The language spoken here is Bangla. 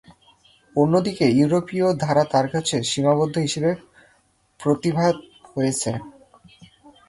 অন্য দিকে ইউরোপীয় ধারা তাঁর কাছে সীমাবদ্ধ হিসেবে প্রতিভাত হয়েছে।